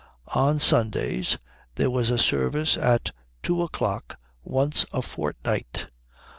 On Sundays there was a service at two o'clock once a fortnight.